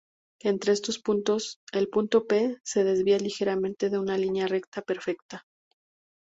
Entre estos puntos, el punto P se desvía ligeramente de una línea recta perfecta.